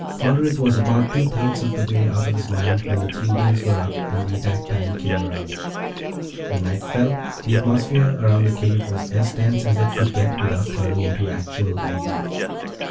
Hollerith was about two thirds of the way out of his mind when the three days were up and the attack time came around. When night fell, the atmosphere around the cave was as tense as it could get without turning into actual lightning.